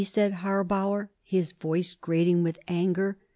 said Harbauer, his voice grating with anger.